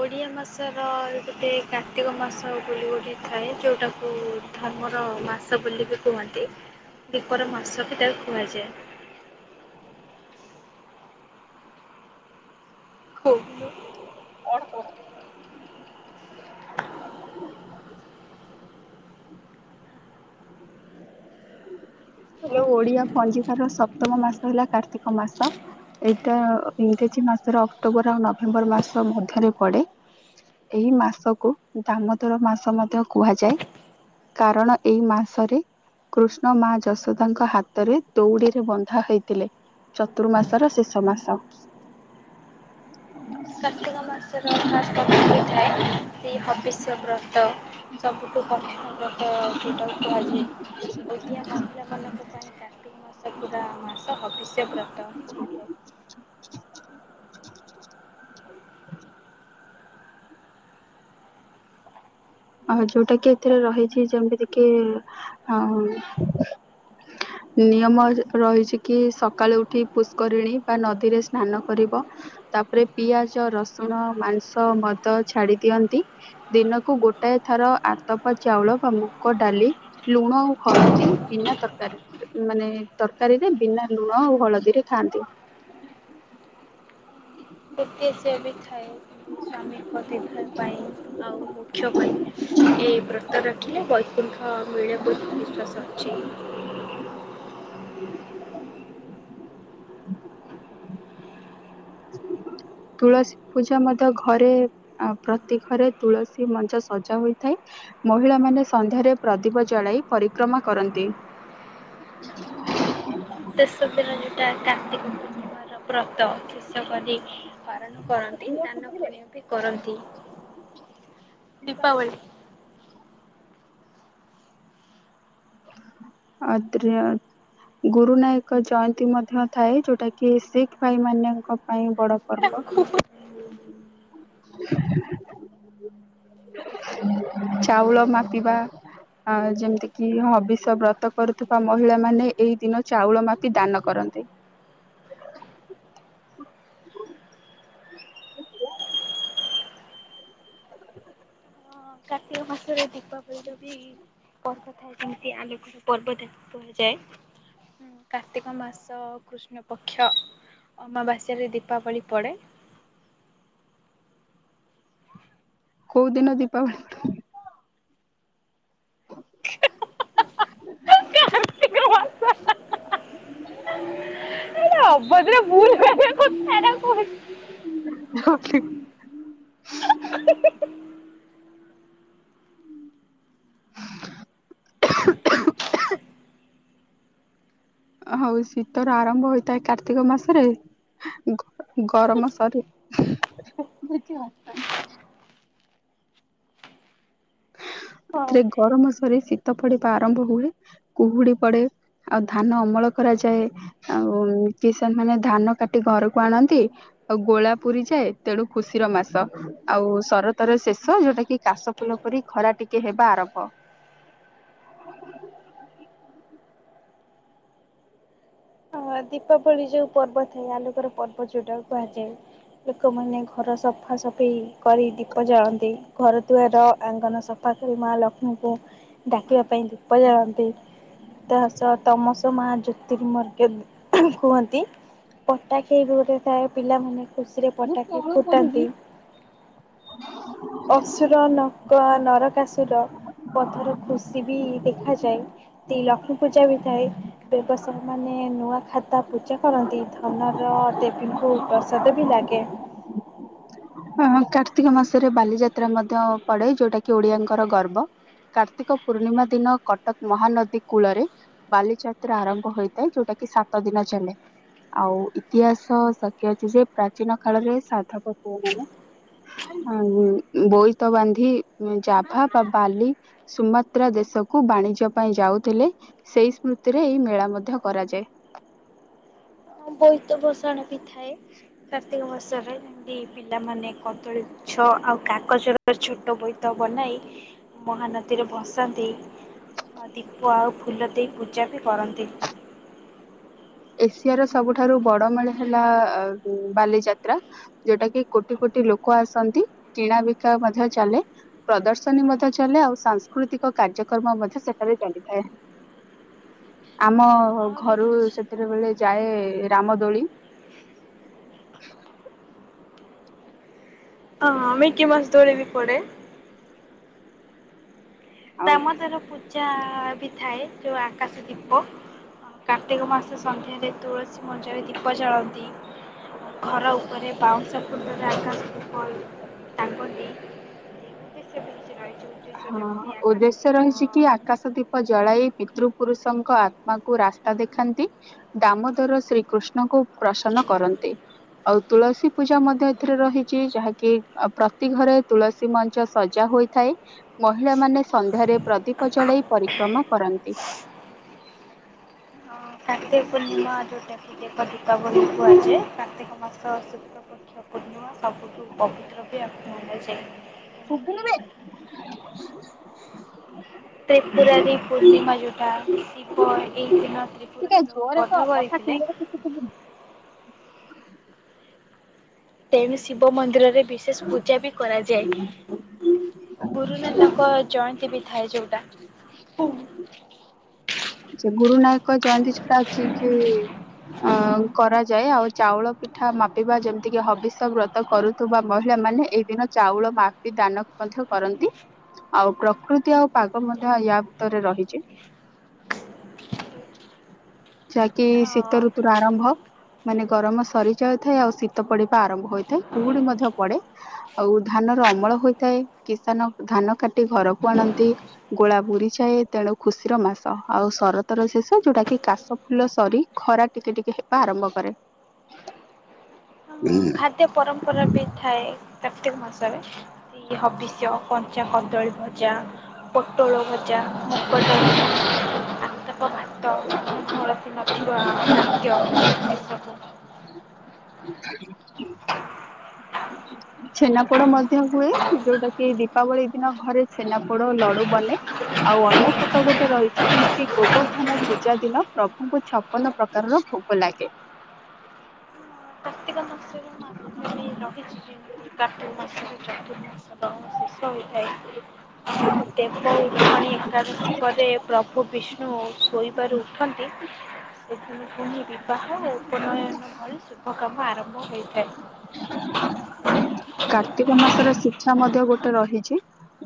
ଓଡ଼ିଆ ମାସର ଗୋଟେ କାର୍ତ୍ତିକ ମାସ ବୋଲି ଗୋଟିଏ ଥାଏ ଯୋଉଟାକୁ ଧର୍ମର ମାସ ବୋଲି ବି କୁହନ୍ତି ଦିପର ମାସ ବି ତାକୁ କୁହାଯାଏ। [unintelligible] [unintelligible] [unintelligible] ଓଡିଆ ପଞ୍ଜିକାର ସପ୍ତମ ମାସ ହେଲା କାର୍ତ୍ତିକ ମାସ। ଏଇଟା ଇଂରାଜୀ ମାସର ଅକ୍ଟୋବର ଆଉ ନଭେମ୍ବର ମାସ ମଧ୍ୟରେ ପଡେ। ଏହି ମାସକୁ ଦାମୋଦର ମାସ ମଧ୍ୟ କୁହାଯାଏ। କାରଣ ଏଇ ମାସରେ କୃଷ୍ଣ ମା ଜ ଯଶୋଦାଙ୍କ ହାତରେ ଦଉଡିରେ ବନ୍ଧା ହୋଇଥିଲେ। ଚତୁର୍ମାସର ଶେଷ ମାସ। କାର୍ତ୍ତିକ ମାସର ଖାସ୍ ପ୍ରଭ ଥାଏ ସେଇ ହବିଷ୍ୟ ବ୍ରତ। ସବୁଠୁ [unintelligible] ବ୍ରତ ସେଟାକୁ କୁହଯାଏ। ଓଡ଼ିଆ ମହିଳା ମାନଙ୍କ ପାଇଁ କାର୍ତ୍ତିକ ଶକୁୁରା ମାସ ଭବିଷ୍ୟବ୍ରତ ବି ହୋଇଥାଏ। ଅ ହ ଯୋଉଟା କି ଏଥିରେ ରହିଚି ଯେମିତି କି ହଁ ନିୟମ ରହିଚି କି ସକାଳୁ ଉଠି ପୁଷ୍କରିଣୀ ବା ନଦୀରେ ସ୍ନାନ କରିବ। ତାପରେ ପିଆଜ ରସୁଣ ମାଂସ ମଦ ଛାଡି ଦିଅନ୍ତି ଦିନକୁ ଗୋ ଟାଏ ଥର ଆତ ବା ଚାଉଳ ବା ମୁଗ ଡାଲି ଲୁଣ ଆଉ ହଳଦୀ ବିନା ତରକାରୀ ମାନେ ତରକାରୀରେ ବିନା ଲୁଣ ଆଉ ହଳଦୀରେ ଖାଆନ୍ତି। ଏତେସେ ବି ଥାଏ ସ୍ଵାମୀଙ୍କ ଦୀର୍ଘାୟୁ ପାଇଁ ଆଉ ମୋକ୍ଷ ପାଇଁ। ଏ ବ୍ରତ ରଖିଲେ ବୈକୁଣ୍ଠ ମିଳେ ବୋଲି ବିଶ୍ୱାସ ଅଛି। ତୁଳସୀ ପୂଜା ମଧ୍ୟ ଘରେ ଆଁ ପ୍ରତି ଘରେ ତୁଳସୀ ମଞ୍ଚ ସଜା ହୋଇଥାଏ। ମହିଳାମାନେ ସନ୍ଧ୍ୟାରେ ପ୍ରଦୀପ ଜଳାଇ ପରିକ୍ରମା କରନ୍ତି। [inaudible] ଶେଷ ଦିନ ଯୋଉଟା କାର୍ତ୍ତିକ ପୂର୍ଣ୍ଣିମାର ବ୍ରତ ଶେଷ କରି ପାଳନ କରନ୍ତି ଦାନ ପୁଣ୍ୟ ବି କରନ୍ତି। [unintelligible] ଗୁରୁ ନାୟକ ଜୟନ୍ତୀ ମଧ୍ୟ ଥାଏ ଯୋଉଟା କି ଶିଖ ଭାଇ ମାନଙ୍କ ପାଇଁ ବଡ ପର୍ବ। ତାକୁ ହଁ ଚାଉଳ ମାପିବା ଆ ଯେମିତି କି କି ହବିଷ ବ୍ରତ କରୁଥିବା ମହିଳା ମାନେ ଏଇ ଦିନ ଚାଉଳ ମାପି ଦାନ କରନ୍ତି। [unintelligible] କାର୍ତ୍ତିକ ମାସ ରେ ଦୀପାବଳି ଯଦି ପର୍ବ ଥାଏ ଯେମିତି ଆଲୋକର ପର୍ବ ତାକୁ କୁହାଯାଏ। କାର୍ତ୍ତିକ ମାସ କୃଷ୍ଣ ପକ୍ଷ ଅମାବାସ୍ୟାରେ ଦୀପାବଳି ପଡ଼େ। କୋଉ ଦିନ ଦୀପାବଳି? [unintelligible] [unintelligible] ଏଟା ଅଭଦ୍ର ଭୁଲ ଭଳିଆ କଥାରା କହୁଚୁ। [unintelligible] [unintelligible] ହଉ ଶୀତର ଆରମ୍ଭ ହୋଇଥାଏ କାର୍ତ୍ତିକ ମାସରେ। ଗ ଗରମ ସ [inaudible] ହଁ ଏଥିରେ ଗରମ ସରି ଶୀତ ପଡିବା ଆରମ୍ଭ ହୁଏ କୁହୁଡି ପଡେ। ଆଉ ଧାନ ଅମଳ କରାଯାଏ ଆଉ କିଷାନ ମାନେ ଧାନ କାଟି ଘରକୁ ଆଣନ୍ତି। ଆଉ ଗୋଳା ପୁରୀ ଯାଏ ତେଣୁ ଖୁସିର ମାସ। ଆଉ ସରତର ଶେଷ ଯୋଉଟା କି କାଶ ଫୁଲ ପରି ଖରା ଟିକେ ହେବା ଆରମ୍ଭ। ହଁ ଦୀପାବଳି ଯୋଉ ପର୍ବ ଥାଏ ଆଲୋକର ପର୍ବ। ପର୍ବ ଯୋଉଟାକୁ କୁହାଯାଏ ଲୋକମାନେ ଘର ସଫାସଫେଇ କରି ଦୀପ ଜାଳନ୍ତି। ଘରଦୁଆର ଆଙ୍ଗନ ସଫା କରି ମା ଲକ୍ଷ୍ମୀଙ୍କୁ ଡାକିବା ପାଇଁ ଦୀପ ଜାଳନ୍ତି ତା ସହ ତମସ ମା ଜ୍ୟୋତିମର୍ଗ କୁହନ୍ତି ପଟା ଖେଳ ବି ଗୋଟେ ଥାଏ ପିଲାମାନେ ଖୁସିରେ ପଟାକି ଫୁଟାନ୍ତି। ହଁ ଅସୁର ନକ ନରକାସୁର ପଥର ଖୁସି ଖୁସି ବି ଦେଖାଯାଏ। ଲକ୍ଷ୍ମୀ ପୂଜା ବି ଥାଏ ବ୍ୟବସାୟ ମାନେ ନୂଆ ଖାଦ୍ୟ ତା ପୂଜା କରନ୍ତି ଧନର ଦେବୀଙ୍କୁ ପ୍ରସାଦ ବି ଲାଗେ। [inaudible] ହ କାର୍ତ୍ତିକ ମାସରେ ବାଲିଯାତ୍ରା ମଧ୍ୟ ପଡେ ଯୋଉଟା କି ଓଡିଆଙ୍କର ଗର୍ବ। କାର୍ତ୍ତିକ ପୂର୍ଣ୍ଣିମା ଦିନ କଟକ ମହାନଦୀ କୂଳରେ। ବାଲିଯାତ୍ରା ଆରମ୍ଭ ହୋଇଥାଏ ଯୋଉଟା କି ସାତ ଦିନ ଚାଲେ। ଆଉ ଇତିହାସ ସାଖି ଅଛି ଯେ ପ୍ରାଚୀନ କାଳରେ ସାଧବ ପୁଅ ମାନେ ଆଁନ୍ ବୋଇତ ବାନ୍ଧି ଜାଭା ବା ବାଲି ସୁମାତ୍ରା ଦେଶକୁ ବାଣିଜ୍ୟ ପାଇଁ ଯାଉଥିଲେ। ସେଇ ସ୍ମୃତିରେ ଏଇ ମେଳା ମଧ୍ୟ କରାଯାଏ। ବୋଇତ ଭସାଣି ବିି ଥାଏ କାର୍ତ୍ତିକ ମାସରେ। ନ୍ତି ପିଲାମାନେ କଦଳୀ ଗୁଛ ଆଉ କାଗଜର ଛୋଟ ବୋଇତ ବନାଇ ମହାନଦୀରେ ଭସାନ୍ତି। ଆଉ ଦୀପ ଆଉ ଫୁଲ ଦେଇ ପୂଜା ବି କରନ୍ତି। ଏସିଆର ସବୁଠାରୁ ବଡ ମେଳା ହେଲା ବାଲିଯାତ୍ରା। ଯୋଉଟା କି କୋଟି କୋଟି ଲୋକ ଆସନ୍ତି କିଣା ବିକା ମଧ୍ୟ ଚାଲେ। ପ୍ରଦର୍ଶନୀ ମଧ୍ୟ ଚାଲେ ଆଉ ସାଂସ୍କୃତିକ କାର୍ଯ୍ୟକ୍ରମ ମଧ୍ୟ ସେଠାରେ ଚାଲିଥାଏ। ହଁ, ଆମ ଆହୁରି ଘରୁ କିଛି ସେତବେଳେ ଯାଏ ରାମ ଦୋଳି। ହଁ ମିକି ମାଉସ ଦୋଳି ବି ପଡେ। ଆଉ ଦାମୋଦର ପୂଜା ବି ଥାଏ ଯୋଉ ଆକାଶ ଦୀପ। କାର୍ତ୍ତିକ ମାସ ସନ୍ଧ୍ୟାରେ ତୁଳସୀ ମଞ୍ଚରେ ଦୀପ ଜାଳନ୍ତି। ଘର ଉପରେ ବାଉଁଶ ଖୁଣ୍ଟରେ ଆକାଶ ଦୀପ ଟାଙ୍ଗନ୍ତି। ଉଦ୍ଦେଶ୍ୟ ବି କିଛି ରହିଛି ଉଦ୍ଦେଶ୍ୟ ହଁ, ଯେମିତି ଆକାଶ ଉଦ୍ଦେଶ୍ୟ ଦୀପ ରହିଛି କି, ଆକାଶ ଦୀପ ଜଳାଇ ପିତୃ ପୁରୁଷଙ୍କ ଆତ୍ମାକୁ ରାସ୍ତା ଦେଖାନ୍ତି ଦାମୋଦର ଶ୍ରୀକୃଷ୍ଣଙ୍କୁ ପ୍ରସନ୍ନ କରନ୍ତି, ଆଉ ତୁଳସୀ ପୂଜା ମଧ୍ୟ ଏଥିରେ ରହିଛି, ଯାହାକି ପ୍ରତି ଘରେ ତୁଳସୀ ମଞ୍ଚ ସଜା ହୋଇଥାଏ। ମହିଳାମାନେ ସନ୍ଧ୍ୟାରେ ପ୍ରଦୀପ ଜଳେଇ ପରିକ୍ରମା କରନ୍ତି। କାର୍ତିକ ପୂର୍ଣ୍ଣିମା ଯଉଟାକି ଦେବ ଦୀପାବଳି କୁୁହାଯାଏ, କାର୍ତିକ ମାସ ଶୁକ୍ଲ [unintelligible] ସବୁଠୁ ପବିତ୍ର ବି ଆକୁ ମନାଯାଏ। ଏମିତି ଶୁବୁନିବେ। ତ୍ରିପୁରାରୀ ପୂର୍ଣ୍ଣିମା ଯୋଉଟା, ଶିବ ଏଇ ଦିନ ତ୍ରିପୁରା ଟିକେ [unintelligible] ଜୋରରେ କହ ବଧ କଥା କରିଥିଲେ। କ୍ଲିୟର କିଛି ଶୁଭୁନି। ତେଣୁ, ଶିବ ମନ୍ଦିରରେ ବିଶେଷ୍ ପୂଜା ବି କରାଯାଏ। ଗୁରୁନାନକ ଜଏନ୍ତୀ ବି ଥାଏ ଯୋଉଟା। ଆଛା, ଗୁରୁ ନାୟକ ଜଏନ୍ତୀ ଛଡା ଅଛି କି ଅଁ, କରାଯାଏ। ଆଉ ଚାଉଳ ପିଠା ମାପିବା ଯେମତିକି ହବିଷ୍ୟ ବ୍ରତ କରୁ ତୁବା ମହିଳା ମାନେ, ଏଇ ଦିନ ଚାଉଳ ମାପି ଦାନ ମଧ୍ୟ କରନ୍ତି। ଆଉ ପ୍ରକୃତି ଆଉ ପାଗ ମନ୍ୟ ୟା ଭିତରେ ରହିଚି। ଯାକି ହଁ ଶୀତ ଋତୁର ଆରମ୍ଭ। ମାନେ ଗରମ ସରିଯାଉଥାଏ, ଆଉ ଶୀତ ପଡିବା ଆରମ୍ଭ ହୋଇଥାଏ, କୁହୁଡି ମଧ୍ୟ ପଡେ। ଆଉ ଧାନ ର ଅମଳ ହୋଇଥାଏ, କିଷାନ ଧାନ କାଟି ଘରକୁ ଆଣନ୍ତି। ଗୋଳା ଭୁରିଯାଏ। ତେଣୁ, ଖୁସିର ମାସ, ଆଉ ଶରତର ଶେଷ, ଯୋଉଟା କି କାଶ୍ ପପୁଲ ସରି, ଖରା ଟିକେ ଟିକେ ହେବା ଆରମ୍ଭ କରେ। ଖାଦ୍ୟ ପରମ୍ପରା ବି ଥାଏ, କାର୍ତିକ ମାସରେ। ଯେମିତି ହବିଷ୍ୟ, କଞ୍ଚା କଦଳୀ ଭଜା, ପୋଟ୍ ଟୋଳୋ ଭଜା, ମୁଗଡାଲି, ଆତାପ ଭାତ, ହଳଦ୍ ନଥିବା ଖାଦ୍ୟ ମିଶକୁ [unintelligible] ଛେନାପୋଡୋ ମଧ୍ୟ ହୁଏ, ଯୋଉଟା କି ଦୀପାବଳି ଦିନ ଘରେ ଛେନାପୋଡୋ ଲଡୁ ବନେ। ଆଉ ଅନ୍ନପୂଟ ଗୋଟେ ରହିଚି, ନେକିି ଗୋବର୍ଦ୍ଧନ ପୂଜା ଦିନ, ପ୍ରଭୁଙ୍କୁ ଛପନ ପ୍ରକାରର ଭୋଗ ଲାଗେ। କାର୍ତିକ ମାସ [unintelligible] ରହିଚି, ଯିମ୍ ତି କାର୍ତିକ୍ ମାସରୁ ଚତୁର୍ ମାସର ଶେଷ ହୋଇଥାଏ। ହଁ, ଦେବ ଉଠଣି ଏକାଦଶୀ ପରେ ପ୍ରଭୁ ବିଷ୍ ବିଷ୍ଣୁ ଶୋଇବାରୁ ଉଠନ୍ତି, ସେଦିନୁ ପୁଣି ବିପ୍ ବିବାହ, ଉପନୟନ ଭଳି ଶୁଭ କାମ ଆରମ୍ଭ ହୋଇଥାଏ। କାର୍ତ୍ତିକ ମାସର ଶିକ୍ଷା ମଧ୍ୟ ଗୋଟେ ରହିଚି।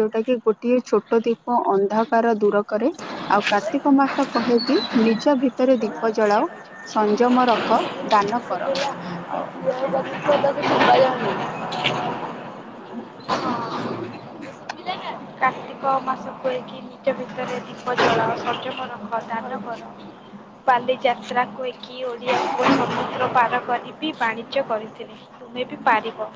ଯୋଉଟା କି ଗୋଟିଏ ଛୋଟ ଦ୍ୱୀପ ଅନ୍ଧାକାର ଦୂର କରେ। ଆଉ କାର୍ତ୍ତିକ ମାସ କହେକି, ନିଜ ଭିତରେ ଦୀପ ଜଳାଅ। ସଂଯମ ରଖ, ଦାନ କର। ଆଉ [unintelligible] କାର୍ତ୍ତିକ ମାସ କୁଏକି ନିଜ ଭିତରେ ଦୀପ ଜଳାଅ, ସଂଯମ ରଖ, ଦାନ କର। ବାଲି ଯାତ୍ରାକୁ କୁଏକି ଓଡିଆ ପୁଅ ସମୁଦ୍ର ପାର କରି। ବି ବାଣିଜ୍ୟ କରିଥିଲେ ତୁମେ ବି ପାରିବ।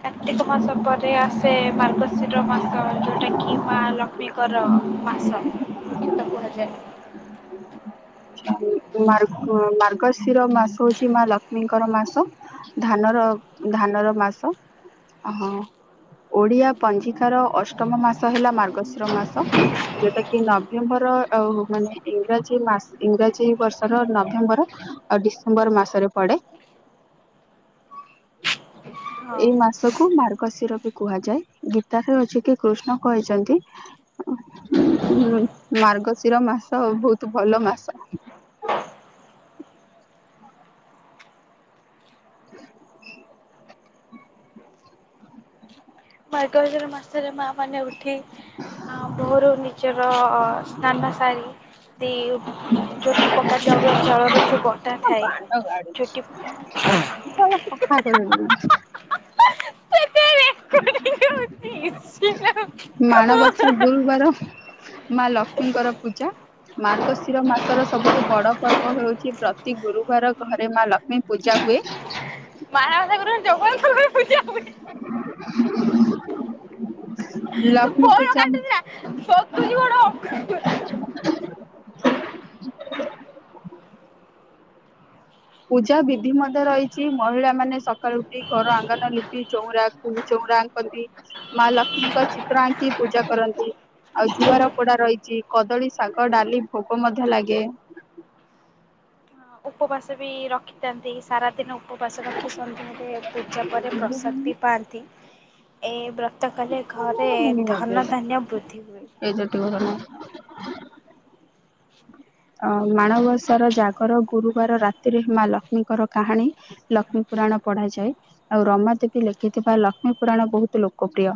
କାର୍ତ୍ତିକ ମାସ ପରେ ଆସେ ମାର୍ଗଶିର ମାସ ଯୋଉଟା କିି ମା ଲ କ୍ଷ୍ମୀ ଙ୍କର ମାସ ମୁଖ୍ୟତଃ କୁହାଯାଏ। ଆଛା ମାର୍ଗ ମାର୍ଗଶିର ମାସ ହୋଉଚି ମା ଲକ୍ଷ୍ମୀଙ୍କର ମାସ। ଧାନର ଧାନର ମାସ ହଁ। ଓଡ଼ିଆ ପଞ୍ଜିକାର ଅଷ୍ଟମ ମାସ ହେଲା ମାର୍ଗଶିର ମାସ। ଯୋଉଟା କି ନଭେମ୍ବର ଆଉ ମାନେ ଇଂରାଜୀ ମାସ୍। ଇଂରାଜୀ ବର୍ଷର ନଭେମ୍ବର ଆଉ ଡିସେମ୍ବର୍ ମାସରେ ପଡେ। ହଁ [inaudible] ଏଇ ମାସକୁ ମାର୍ଗଶିର ବି କୁହାଯାଏ ଗୀତାସେ ଅଛି କି କୃଷ୍ଣ କହିଛନ୍ତି। ମାର୍ଗଶିର ମାସ ବହୁତୁ ଭଲ ମାସ। ମାର୍ଗଶୀର ମାସରେ ମା ମାନେ ଉଠି ଆଁ ଭୋରୁ ନିଜର। ର ସ୍ନାନ ସାରି ତି ଝୋଟି ପକା ଚାଉଳ ଜଳରେ ଯୋଉ ବଟା ଥାଏ ଝୋଟି। ମୁଁ ତ ଏଇରା ସଫା କରେନି। ମାଣବସା ଗୁରୁବାର। ମା ଲକ୍ଷ୍ମୀଙ୍କର ପୂଜା। ମାର୍ଗଶିର ମାସର ସବୁଠୁ ବଡ ପର୍ବ ହେଉଚି ପ୍ରତି ଗୁରୁବାର ଘରେ ମା ଲକ୍ଷ୍ମୀ। ପୂଜା ହୁଏ। [unintelligible] ପୁରା ଜଗତ୍ ସାରା ପୂଜା ହୁଏ। [inaudible] ତୁ ଲକ୍ଷ୍ମୀ ଫୋନ ପୂଜା। କାଟିଦେଲା ସତୁଛି ବଡ [inaudible] ପୂଜା ବିଧି ମଧ୍ୟ ରହିଛି ମହିଳା ମାନେ ସକାଳୁ ଉଠି ଘର ଆଙ୍ଗନ ଲିପି ଚଉରାକୁ ଚଉରା କନ୍ତି ମା ଲକ୍ଷ୍ମୀଙ୍କ ଚିତ୍ର ଆଙ୍କି ପୂଜା କରନ୍ତି। ଆଉ ଘିଅର ପୋଡା ରହିଚି କଦଳୀ ଶାଗ ଡାଲି ଭୋଗ ମଧ୍ୟ ଲାଗେ। ଉପବାସ ବି ରଖିଥାନ୍ତି ସାରାଦିନ ଉପବାସ ରଖି ସନ୍ଧ୍ୟାରେ ପୂଜା ପରେ ପ୍ରସାଦ ବି ପାଆନ୍ତି ଏ ବ୍ର ତ କଲେ ଘରେ ଧନ ଧାନ୍ୟ ବୃଦ୍ଧି ହୁଏ। ଏଇ ଝିଅଟି ଭଲ ନାଇଁ। ଆଉ ମାଣବସାର ଜାଗର ଗୁରୁବାର ରାତିରେ ମା ଲକ୍ଷ୍ମୀଙ୍କର କାହାଣୀ। ଲକ୍ଷ୍ମୀ ପୁରାଣ ପଢାଯାଏ ଆଉ ରମା ଦେବୀ ଲେଖିଥିବା ଲକ୍ଷ୍ମୀ ପୁରାଣ ବହୁତ୍ ଲୋକପ୍ରିୟ।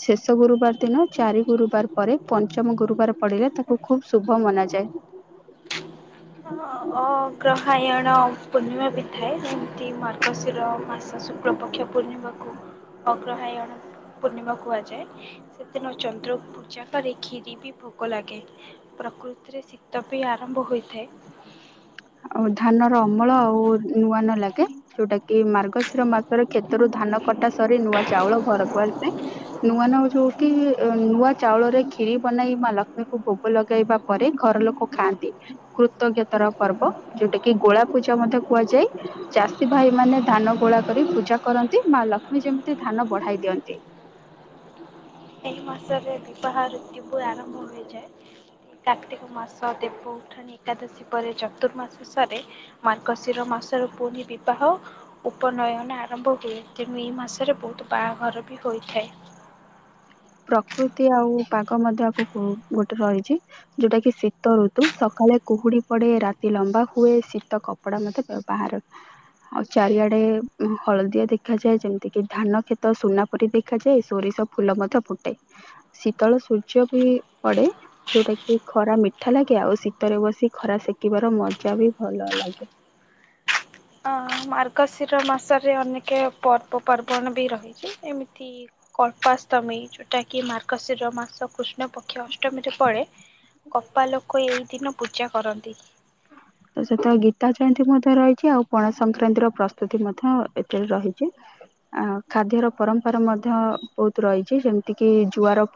ଶେଷ ଗୁରୁବାର ଦିନ ଚାରି ଗୁରୁବାର ପରେ ପଞ୍ଚମ ଗୁରୁବାର ପଡିଲେ ତାକୁ ଖୁବ୍ ଶୁଭ ମନାଯାଏ। [inaudible] ଅ ଗ୍ରହାୟଣ ପୂର୍ଣ୍ଣିମା ବି ଥାଏ ଯେମତି ମାର୍ଗଶିର ମାସ ଶୁକ୍ଳପକ୍ଷ। ପୂର୍ଣ୍ଣିମାକୁ ଅଗ୍ରହାୟାଣ। ପୂର୍ଣ୍ଣିମା କୁହାଯାଏ ସେଦିନ ଚନ୍ଦ୍ରକୁ ପୂଜା କରି କ୍ଷିରି ବି ଭୋଗ ଲାଗେ। ପ୍ରକୃତିରେ ଶୀତ ବି ଆରମ୍ଭ ହୋଇଥାଏ। ଆଉ ଧାନର ଅମଳ ଆଉ ନୂଆ ନୂଆ ଲାଗେ। ଯୋଉଟା କି ମାର୍ଗଶିର ମାସରେ କ୍ଷେତରୁ ଧାନ କଟା ସରି ନୂଆ ଚାଉଳ ଘରକୁ ଆସେ। ନୂଆ ନ ଯୋଉଠି ନୂଆ ଚାଉଳରେ ଖିରି ବନେଇ ମା ଲକ୍ଷ୍ମୀଙ୍କୁ ଭୋଗ ଲଗେଇବା ପରେ ଘର ଲୋକ। ଖାଆନ୍ତି କୃତଜ୍ଞତାର ପର୍ବ ଯୋଉଟା କି ଗୋଳା ପୂଜା ମଧ୍ୟ କୁହାଯାଏ। ଚାଷୀ ଭାଇ ମାନେ ଧାନ ଗୋଳା କରି ପୂଜା କରନ୍ତି ମା ଲକ୍ଷ୍ମୀ ଯେମିତି ଧାନ ବଢାଇ ଦିଅନ୍ତି। ଏହି ମାସରେ ବିବାହ ଋତୁପୁର ଆରମ୍ଭ ହୋଇଯାଏ। କାର୍ତ୍ତିକ ମାସ ଦେବ ଉଠ ପୁଣି ଏକାଦଶୀ ପରେ ଚତୁର୍ମାସ ସରେ, ମାର୍ଗଶିର ମାସର ପୁଣି ବିବାହ ଉପନୟନ ଆରମ୍ଭ ହୁଏ। ତେଣୁ ଏଇ ମାସରେ ବୋହୁତୁ ବାହାଘର ବି ହୋଇଥାଏ। ପ୍ରକୃତି ଆଉ ପାଗ ମଧ୍ୟ ଆକୁ ଗୋଟେ ରହିଛି। ଯୋଉଟା କି ଶୀତ ଋତୁ, ସକାଳେ କୁହୁଡି ପଡେ ରାତି ଲମ୍ବା ହୁଏ ଶୀତ କପ କପଡ଼ା ମଧ୍ଯ ବାହାର ଆଉ ଚାରିଆଡେ ହଳଦିଆ ଦେଖାଯାଏ ଯେମିତି କିି ଧାନ କ୍ଷେତ ସୁନା ପରି ଦେଖାଯାଏ। ସୋରିସ ଫୁଲ ମଧ୍ୟ ଫୁଟେ। ଶୀତଳ ସୂର୍ଯ୍ୟ ବି ପଡେ। ଯୋଉଟା କି ଖରା ମିଠା ଲାଗେ ଆଉ ଶୀତରେ ବସି ଖରା ସେକିବାର ମଜା ବି ଭଲ ଲାଗେ। ଅ ମାର୍ଗଶିର ମାସରେ ଅନେକ ପର୍ବପର୍ବଣ ବି ରହିଛି, ଏମିତି କଳ୍ପାଷ୍ଟମୀ ଯୋଉଟା କି ମାର୍ଗଶିର ମାସ କୃଷ୍ଣ ପକ୍ଷ ଅଷ୍ଟମୀରେ ପଡେ। କପା ଲୋକ ଏଇ ଦିନ ପୂଜା କରନ୍ତି। ତ ସେତ ଗୀତା ଜୟନ୍ତୀ ମଧ୍ୟ ରହିଛି ଆଉ ପଣା ସଂକ୍ରାନ୍ତି ର ପ୍ରସ୍ତୁତି ମଧ୍ୟ ଏଥିରେ ରହିଛି। ଅ ଖାଦ୍ୟର ପରମ୍ପରା ମଧ୍ୟ ବହୁତ ରହିଛି ଯେମିତି କି ଜୁଆର